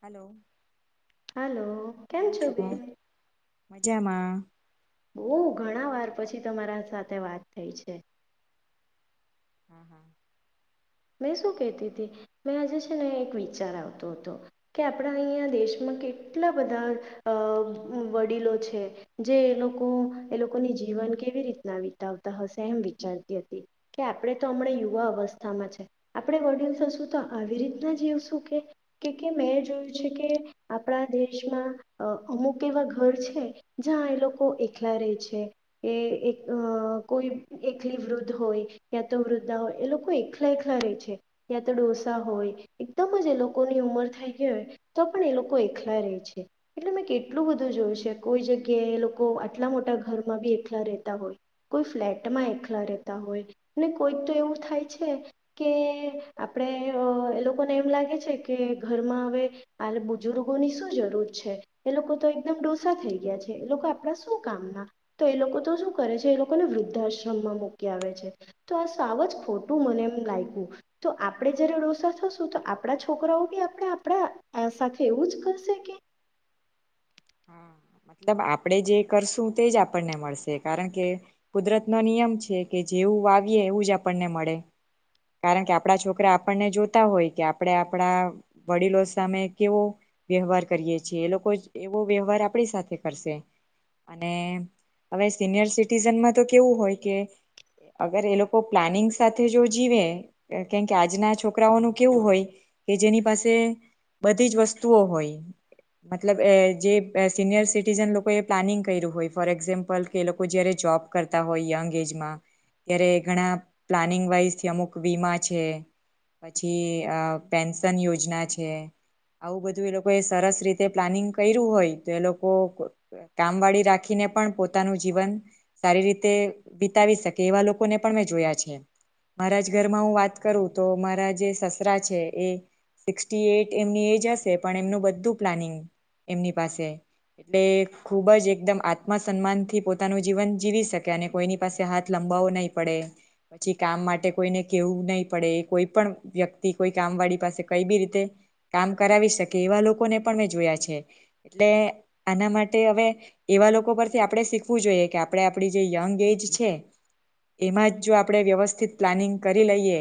hello hello કેમ છો બેન મજામાં ઓહ ઘણા વાર પછી તમારા સાથે વાત થઈ છે હમ હમ મેં શું કતી હતી મેં આજે છે ને એક વિચાર આવતો હતો કે આપણા અહીંયા દેશમાં કેટલા બધા અ વડીલો છે જે એ લોકો એ લોકોની જીવન કેવી રીતના વિતાવતા હશે એમ વિચારતી હતી કે આપણે તો હમણાં યુવા અવસ્થામાં છે આપણે વડીલ થશું તો આવી રીતના જવ શું કે કે કે મેં જોયું છે કે આપણા દેશમાં અમુક એવા ઘર છે જ્યાં એ લોકો એકલા રહે છે કે એક કોઈ એકલી વૃદ્ધ હોય યા તો વૃદ્ધા હોય એ લોકો એકલા એક કેલા રેહ છે યા તો ડોસા હોય એકદમ જ એ લોકોની ઉંમર થઈ ગ હોય તો પણ એ લોકો એકલા રહે છે એટલે મેં કેટલું બધું જોયું છે કોઈ જગ્યાએ એ લોકો આટલા મોટા ઘરમાં બી એકલા રહેતા હોય કોઈ ફ્લેટમાં એકલા રહેતા હોય ને કોઈક તો એવું થાય છે કે આપણેે એ લોકોને એમ લાગે છે કે ઘરમાં હવે બુજુર્ગોની શું જરૂર છે એ લોકો તો એકદમ ડોસા થઈ ગયા છે એ લોકો આપણા શું કામના તો એ લોકો તો શું કરે છે એ લોકોને વૃદ્ધાશ્રમમાં મૂકી આવે છે તો આ સાવ જ ખોટું મને એમ લાય તો આપણે જ્યારે ડોસા થશું તો આપડા છોકરાઓ બી આપણે આપણા સાથે એવું જ કરશે કે હા મતલબ આપણેે જે કરશું તે જ આપણને મળશે કારણ કે કુદરત ના નિયમ છે કે જેવું વાવીએ એવું જ આપણને મળે કારણ કે આપડા છોકરા આપણને જોતા હોય કે આપણે આપડા વડીલો સામે કેવો વ્યવહાર કરીએ છેએ એ લોકો એવો વ્યવહાર આપણી સાથે કરશે અને હવે સિનિયર સિટીઝનમાં તો કેવું હોય કે અગર એ લોકો પ્લાનિંગ સાથે જો જીવે કેમકે આજના છોકરાઓનું કેવું હોય કે જેની પાસે બધી જ વસ્તુઓ હોય મતલબ એ જે સિનિયર સિટીઝન લોકોએ પ્લાનિંગ કર્યું હોય ફોર એક્ઝામ્પલ કે એ લોકો જયારે જોબ કરતા હોય યંગ એજમાં ત્યારે ઘણા પ્લાનિંગ વાઈઝથી અમુક વીમા છે પછી પેન્શન યોજના છે આવું બધું એ લોકો એ સરસ રીતે પ્લાનિંગ કર્યું હોય તો એ લોકો કામવાળી રાખીને પણ પોતાનું જીવન સારી રીતે વિતાવી શકે એવા લોકોને પણ મેં જોયા છે મારા જ ઘરમાં હું વાત કરું તો મારા જે સસરા છે એ સિક્સટી એટ એમની એજ હશે પણ એમનું બધું પ્લાનિંગ એમની પાસે એટલે ખુબ જ એકદમ આત્મ સન્માન થી પોતાનું જીવન જીવી શકે અને કોઈની પાસે હાથ લંબાવવો નહીં પડે પછી કામ માટે કોઈને કેવું નહીં પડે કોઈ પણ વ્યક્તિ કોઈ કામવાળી પાસે કઈ બી રીતે કામ કરાવી શકે એવા લોકોને પણ મેં જોયા છે એટલે આના માટે હવે એવા લોકો પરથી આપણે શીખવું જોઈએ કે આપણે આપડી જે યંગ એજ છે એમાં જ જો આપણે વ્યવસ્થિત પ્લાનિંગ કરી લઈએ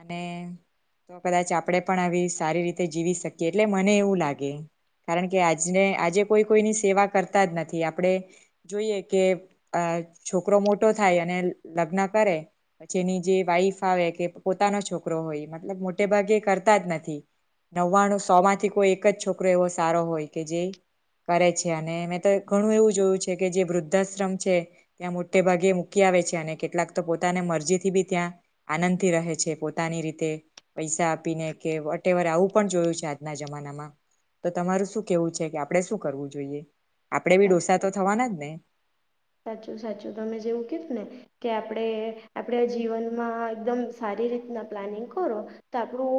અને તો કદાચ આપણે પણ આવી સારી રીતે જીવી શકીએ એટલે મને એવું લાગે કારણ કે આજને આજે કોઈ કોઈની સેવા કરતા જ નથી આપણે જોઈએ કે છોકરો મોટો થાય અને લગ્ન કરે પછી એની જે વાઈફ આવે કે પોતાનો છોકરો હોય મતલબ મોટે ભાગે કરતા જ નથી નવ્વાણું સો માંથી કોઈ એક જ છોક એવો સારો હોય કે જે કરે છે અને મેં તો ઘણું એવું જોયું છે કે જે વૃદ્ધાશ્રમ છે ત્યાં મોટે ભાગે મૂકી આવે છે અને કેટલાક તો પોતાને મરજી થી બી ત્યાં આનંદથી રહે છે પોતાની રીતે પૈસા આપીને કે વટેવર આવું પણ જોયું છે આજના જમાનામાં તો તમારું શું કેવું છે કે આપડણે શું કરવું જોઈએ આપડે બી ડઢોસા તો થવાના જ ને સાચું સાચું તમે જેવું કીધું ને કે આપણે આપણે જીવનમાં એકદમ સારી રીતના પ્લાનિંગ કરો તો આપણું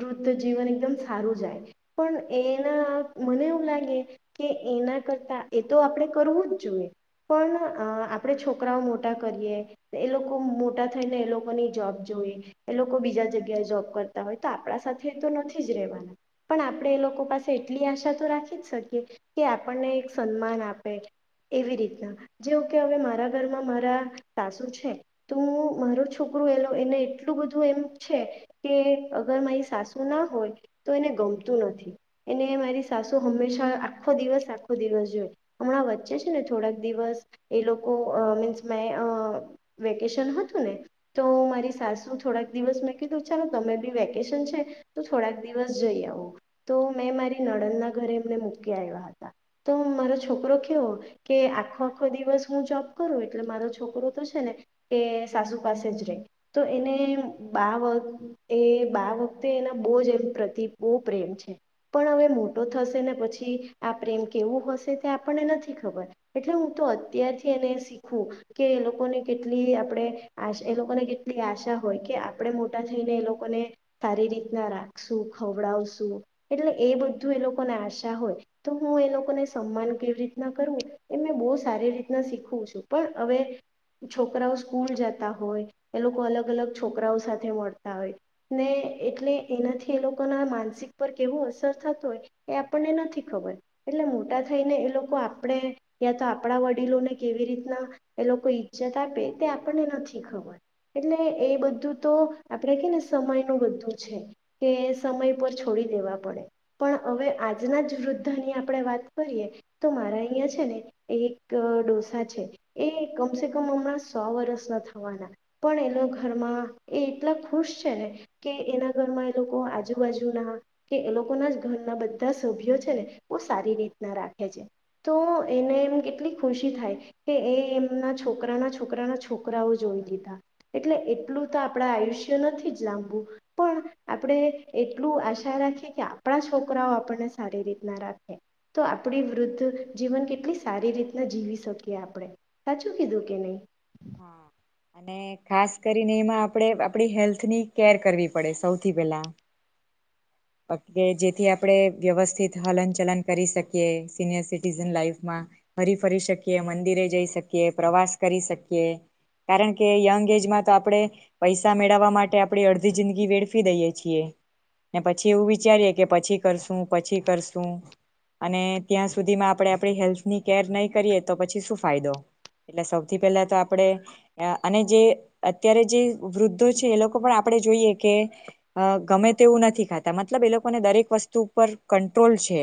વૃદ્ધ જીવન એકદમ સારું જાય પણ એના મને એવું લાગે કે એના કરતા એ તો આપણે કરવું જ જોઈએ પણ આપણે છોકરાઓ મોટા કરીએ એ લોકો મોટા થઈને એ લોકોની જોબ જોઈએ એ લોકો બીજા જગ્યાએ જોબ કરતા હોય તો આપણા સાથે એ તો નથી જ રહેવાના પણ આપણે એ લોકો પાસે એટલી આશા તો રાખી જ શકીએ કે આપણને એક સન્માન આપે એવી રીતના જેવ કે હવે મારા ઘરમાં મારા સાસુ છે તો હું મારો છોકરું એલો એને એટલું બધું એમ છે કે અગર મારી સાસુ ના હોય તો એને ગમતું નથી એને મારી સાસુ હંમેશા આખો દિવસ આખો દિવસ જોય હમણાં વચ્ચે છે ને થોડાક એ લોકો મીસ મે વેકેશન હતું ને તો મારી સાસુ થોડાક દિવસ મેં કીધું ચાલો તમે બી વેકેશન છે તો થોડાક દિવસ જઈ આવો તો મેં મારી નડદ ના ઘરે એમને મૂકી આવ્યા હતા તો મારો છોકરો કેવો કે ખોખો દિવસ હું જોબ કરું એટલે મારો છોકરો તો છે ને કે સાસુ પાસે જ રે તો એને બ એ બા વખતે એના બહુ જ પ્રતિ બહુ પ્રેમ છે પણ હવે મોટો થશે ને પછી આ પ્રેમ કેવું હશે તે આપણને નથી ખબર એટલે હું તો અત્યારથી એને શીખવું કે એ લોકોને કેટલી આપણે આ એ લોકોને કેટલી આશા હોય કે આપણે મોટા થઈને એ લોકોને સારી રીતના રાખશું ખવડાવશું એટલે એ બધું એ લોકોને આશા હોય તો હું એ લોકોને સન્માન કેવી રીતના કરું એ મેં બહુ સારી રીતના શીખવું છું પણ હવે છોકરાઓ સ્કૂલ જતા હોય એ લોકો અલગ અલગ છોકરાઓ સાથે મળતા હોય ને એટલે એનાથી એ લોકોના માનસિક પર કેવો અસર થત હોય એ આપણને નથી ખબર એટલે મોટા થઈને એ લોકો આપણે યા તો આપણા વડીલોને કેવી રીતના એ લોકો ઈજ્જત આપે તે આપણને નથી ખબર એટલે એ બધું તો આપણેે કે ને સમયનુંું બધું છે કે સમય પર છોડી દેવા પડે પણ હવે આજના જ વૃદ્ધાની આપણે વાત કરીએ તો મારા અહંયા છે ને એક ડોસા છે એ કમ સ કમ હમણાં સો વર્ષ ના થવાના પણ એના ઘરમાં એ એટલા ખુશ છે ને કે એના ઘરમાં એ લોકો આજુબાજુના કે એ લોકોના જ ઘરના બધા સભ્યો છે ને એ સારી રીતના રાખે છે તો એને એમ કેટલી ખુશી થાય કે એ એમના છોકરાના છોકરાના છોકરાઓ જોઈ દીધા એટલે એટલું તો આપણા આયુષ્ય નથી જ લાંબું પણ આપણે એટલું આશા રાખીએ કે આપણા છોકરાઓ આપણને સારી રીતના રાખે તો આપણી વૃદ્ધ જીવન કે એટલી સારી રીતના જીવી શકીએ આપણે સાચું કીધું કે નહી હા અને ખાસ કરીને એમાં આપણે આપડી હેલ્થની કેર કરવી પડે સૌથી પેલા કે જેથી આપણે વ્યવસ્થિત હલન ચલન કરી શકીએ સિનિયર સિટીઝન લાઈફમાં ફરી ફરી શકીએ મંદિરે જઈ શકીએ પ્રવાસ કરી શકીએ કારણ કે યંગ એજમાં તો આપણે પૈસા મેળવવા માટે આપણે અડધી જિંદગી વેડફી દઈએ છીએ પછી એવું વિચારીએ કે પછી કરશું પછી કરશું અને ત્યાં સુધીમાં આપણે આપણી હેલ્થની કેર નહીં કરીએ તો પછી શું ફાયદો એટલે સૌથી પહેલા તો આપણે અને જે અત્યારે જે વૃદ્ધો છે એ લોકો પણ આપણે જોઈએ કે ગમે તે એવું નથી મતલબ એ લોકોને દરેક વસ્તુ ઉપ કંટ્રોલ છે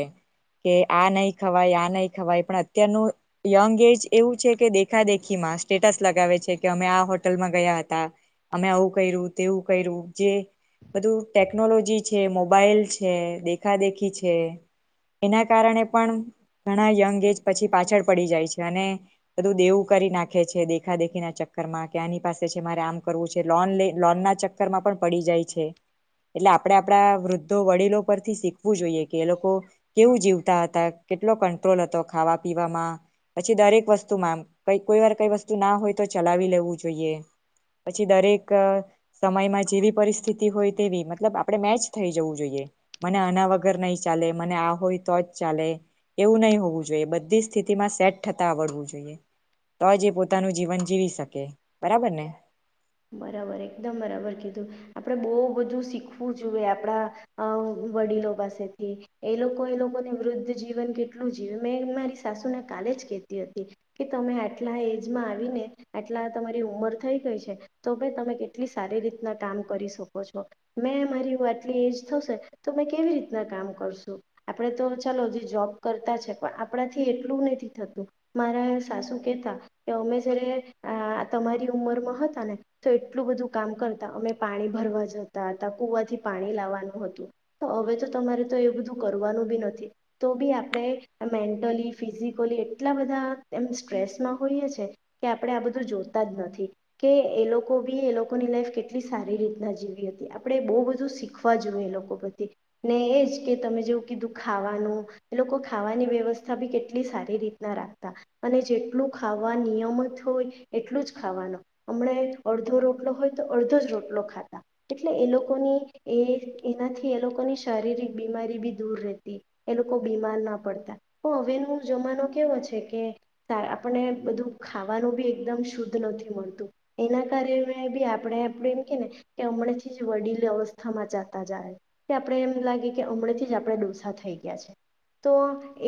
કે આ નહી ખવાય આ નહી ખવાય પણ અત્યારનું યંગ એજ એવું છે કે દેખા દેખીમાં સ્ટેટસ લગાવે છે કે અમે આ હોટલમાં ગયા હતા અમે આવું કર્યું તેવું કર્યું જે બધું ટેકનોલોજી મોબાઈલ છે દેખાદેખી છે એના કારણે પણ ઘણા યંગ એજ પછી પાછળ પડી જાય છે અને બધું દેવું કરી નાખે છે દેખા દેખી ના ચક્કરમાં કે આની પાસે છે મારે આમ કરવું છે લોન ના ચક્કર માં પણ પડી જાય છે એટલે આપણે આપણા વૃદ્ધો વડીલો પરથી શીખવું જોઈએ કે એ લોકો કેવું જીવતા હતા કેટલો કંટ્રોલ હતો ખાવા પીવામાં પછી દરેક વસ્તુમાં કઈ કોઈ વાર કઈ વસ્તુ ના હોય તો ચલાવી લેવું જોઈએ પછી દરેક સમયમાં જેવી પરિસ્થિતિ હોય તેવી મતલબ આપણે મેચ થઈ જવું જોઈએ મને આના વગર નહી ચાલે મને આ હોય તો જ ચાલે એવું નહીિ હોવું જોઈએ બધી સ્થિતિમાં સેટ થતા આવડવું જોઈએ તો જ એ પોતાનું જીવન જીવી શકે બરાબર ને બરાબર એકદમ બરાબર કીધું આપડે બહ બધું શીખવું જોઈએ આપણા વડીલો પાસેથી એ લોકો એ લોકોને વૃદ્ધ જીવન કેટલું જીવે મેં મારી સાસુને કાલે જ કેતી હતી કે તમે આટલા એજમાં આવીને આટલા તમારી ઉમર થઈ ગઈ છે તો ભાઈ તમે કેટલી સારી રીતના કામ કરી શકો છો મેં મારી આટલી એજ થશે તો મેં કેવી રીતના કામ કરશું આપણે તો ચાલો જે જોબ કરતા છે પણ આપણાથી એટલું નથી થતું મારા સાસુ કેહેતા કે અમે જયારે તમારી ઉંમરમાં હતા ને તો એટલું બધું કામ કરતા અમે પાણી ભરવા જતા હતા કુવાથી પાણી લાવવાનું હતું તો હવે તો તમારે તો એ બધું કરવાનું બી નથી તો બી આપણે મેન્ટલી ફિઝિકલી એટલા બધા એમ સ્ટ્રેસમાં હોઈએ છે કે આપણે આ બધું જોતા જ નથી કે એ લોકો લોકો બી એ લોકોની લાઈફ કેટલી સારી રીતના જીવી હતી આપણે બહુ બધું શીખવા જોઈએ એ લોકો પ્ર્ય ને એ જ કે તમે જેવું કીધું ખાવાનું એ લોકો ખાવાની વ્યવસ્થા બી કેટલી સારી રીતના રાખતા અને જેટલું ખાવા નિયમ હોય એટલું જ ખાવાનું હમણાં અડધો રોટલો હોય તો અડધો જ રોટલો ખાતા એટલે એ લોકોની એ એનાથી એ લોકોની શારીરિક બીમારી બી દૂર રહેતી એ લોકો બીમાર ના પડતા પણ હવેનો જમાનો કેવો છે કે આપને બધું ખાવાનું બી એકદમ શુદ્ધ નથી મળતું એના બી આપણે આપણે એમ કે ને કે હમણાંથી જ વડીલ અવસ્થામાં ચાલતા જાય કે આપણે એમ લાગે કે હમણા થી જ આપણે ડોસા થઈ ગયા છે તો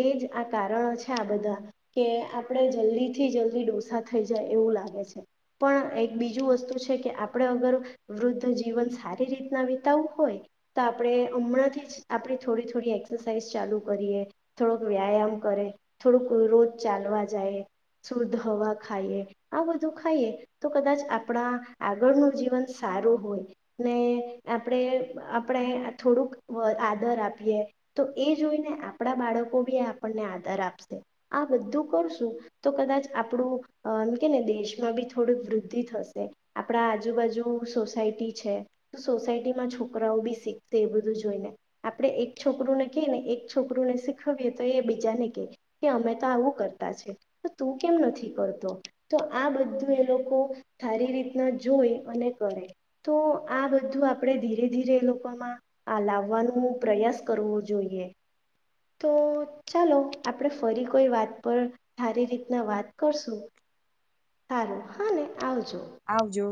એજ આ કારણો છે આ બધા કે આપણે જલ્દી થી જલ્દી ડોસા થઈ જાય એવું લાગે છે પણ એક બીજું વસ્તુ છે કે આપણે અગર વૃદ્ધ જીવન સારી રીતના વિતાવું હોય તો આપણે હમણાંથી જ આપણી થોડી થોડી એક્સરસાઇઝ ચાલુ કરીએ થોડોક વ્યાયામ કરે થોડુંક રોજ ચાલવા જાય શુદ્ધ હવા ખાઈએ આ બધું ખાઈએ તો કદાચ આપણા આગળનું જીવન સારું હોય ને આપણે આપણે થોડુંક આદર આપીએ તો એ જોઈને આપણા બાળકો બી આપણને આદર આપશે આ બધું કરશું તો કદાચ આપણું એમ કેને દેશમાં બી થોડુંક વૃદ્ધિ થ આપણા આજુબાજુ સોસાયટી છે તો સોસાયટીમાં છોકરાઓ બી શીખશે એ બધું જોઈને આપણે એક છોકરુંને કહી ને એક છોકરુંને શીખવીએ તો એ બીજાને ક કે અમે તો આવું કરતા છે તો તું કેમ નથી કરતો તો આ બધું એ લોકો સારી રીતના જોઈ અને કરે તો આ બધું આપણે ધીરે ધીરે એ લોકોમાં લાવવાનું પ્રયાસ કરવો જોઈએ તો ચાલો આપણે ફરી કોઈ વાત પર સારી રીતના વાત કરશું સારું હાને આવજો